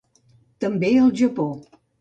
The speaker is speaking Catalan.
També al Japó.